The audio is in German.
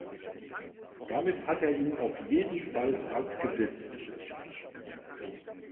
Damit hat er ihn auf jeden Fall hart gedisst.